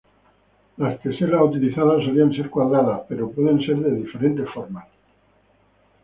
Las teselas utilizadas solían ser cuadradas pero pueden ser de diferentes formas.